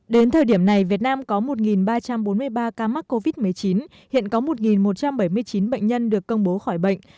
đến thời điểm này việt nam có một ba trăm bốn mươi ba ca mắc covid một mươi chín hiện có một một trăm bảy mươi chín bệnh nhân được công bố khỏi bệnh